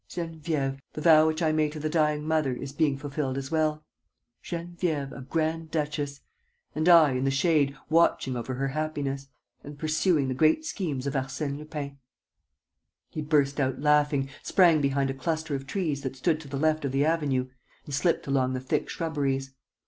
"Geneviève ... the vow which I made to the dying mother is being fulfilled as well. ... Geneviève a grand duchess! ... And I, in the shade, watching over her happiness ... and pursuing the great schemes of Arsène Lupin!" He burst out laughing, sprang behind a cluster of trees that stood to the left of the avenue and slipped along the thick shrubberies.